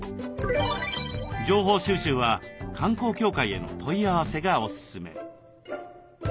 情報収集は観光協会への問い合わせがおすすめ。